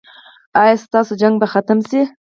ایا ستاسو جنګ به ختم شي؟